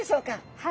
はい。